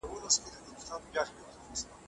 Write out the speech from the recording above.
لويه جرګه د امنيت پر وضعيت غور کوي.